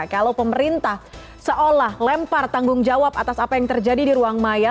kalau pemerintah seolah lempar tanggung jawab atas apa yang terjadi di ruang maya